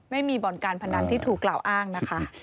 บ่อนการพนันที่ถูกกล่าวอ้างนะคะ